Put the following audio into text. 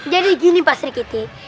jadi gini pasur kitih